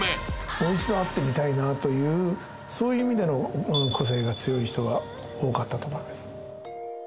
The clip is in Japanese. もう一度会ってみたいなというそういう意味での個性が強い人が多かったと思います個性派揃いのファイナリスト９名を